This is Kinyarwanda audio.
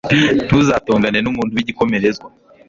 ntuzatongane n'umuntu w'igikomerezwa